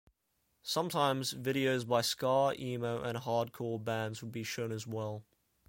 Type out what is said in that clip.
Sometimes, videos by ska, emo, and hardcore bands would be shown as well.